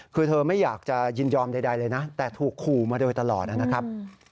คือเธอไม่อยากจะยินยอมใดเลยนะแต่ถูกขู่มาโดยตลอดนะครับ